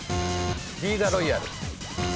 リーガロイヤル。